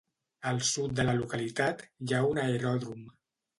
Al sud de la localitat hi ha un aeròdrom.